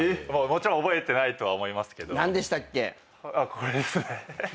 これですね。